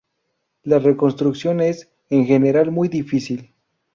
La reconstrucción es, en general, muy difícil.